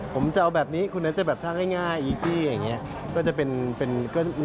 ผมจะเอาแบบนี้คุณนัทจะแบบท่าง่ายง่ายอย่างนี้